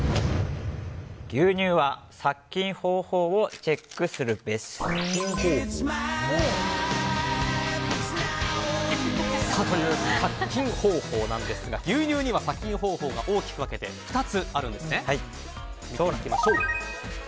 牛乳は殺菌方法をチェックするべし！という、殺菌方法なんですが牛乳には殺菌方法が大きく分けて２つあるんですね。